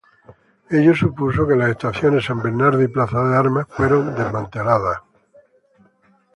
Ello supuso que las Estaciones San Bernardo y Plaza de Armas fueran desmanteladas.